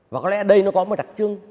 và có lẽ đây nó có một đặc trưng